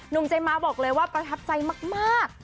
นุ่มใจมะบอกเลยว่าประทับใจมาก